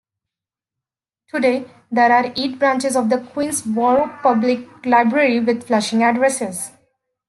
Today, there are eight branches of the Queens Borough Public Library with Flushing addresses.